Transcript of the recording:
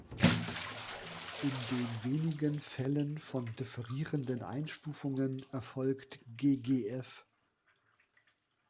In den, wenigen, Fällen von differierenden Einstufungen erfolgt ggf.